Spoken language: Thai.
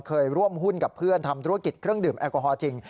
เคยร่วมหุ้นกับเพื่อนทำธุรกิจเครื่องดื่มแอลกอฮอลจริง